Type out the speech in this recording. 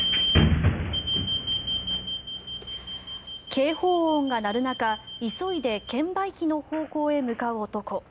警報音が鳴る中急いで券売機の方向へ向かう男。